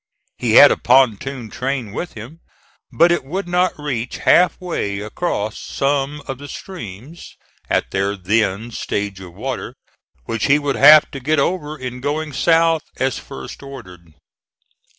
He had a pontoon train with him, but it would not reach half way across some of the streams, at their then stage of water, which he would have to get over in going south as first ordered.